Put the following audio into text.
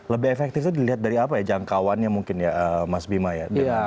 lebih efektif itu dilihat dari apa ya jangkauannya mungkin ya mas bima ya